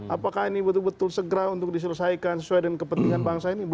apakah ini betul betul segera untuk diselesaikan sesuai dengan kepentingan bangsa ini